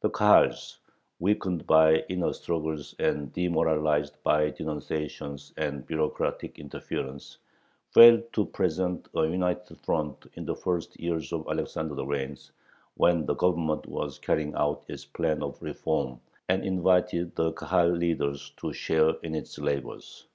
The Kahals, weakened by inner struggles and demoralized by denunciations and bureaucratic interference, failed to present a united front in the first years of Alexander's reign, when the Government was carrying out its "plan of reform," and invited the Kahal leaders to share in its labors.